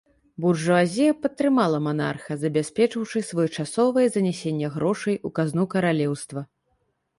Буржуазія падтрымала манарха, забяспечыўшы своечасовае занясенне грошай у казну каралеўства.